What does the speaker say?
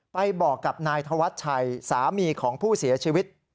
ไปบอกกับนายธวัชชัยสามีของผู้เสียชีวิต